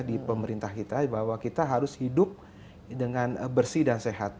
di pemerintah kita bahwa kita harus hidup dengan bersih dan sehat